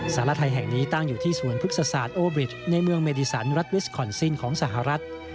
สารไทยแห่งนี้ตั้งอยู่ที่สวนพฤกษศาสตร์โอบริดในเมืองเมดิสันรัฐวิสคอนซินของสหรัฐ